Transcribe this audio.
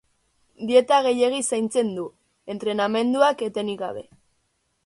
Dieta gehiegi zaintzen du, entrenamenduak, etenik gabe.